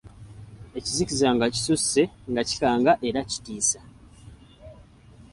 Ekizikiza nga kisusse nga kikanga era kitiisa.